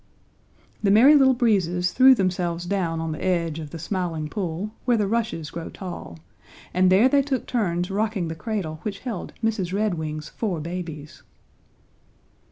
The Merry Little Breezes threw themselves down on the edge of the Smiling Pool, where the rushes grow tall, and there they took turns rocking the cradle which held Mrs. Redwing's four babies.